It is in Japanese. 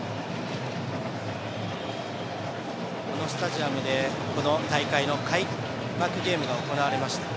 このスタジアムでこの大会の開幕ゲームが行われました。